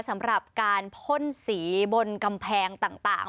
สำหรับการพ่นสีบนกำแพงต่าง